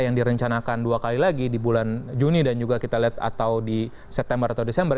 yang direncanakan dua kali lagi di bulan juni dan juga kita lihat atau di september atau desember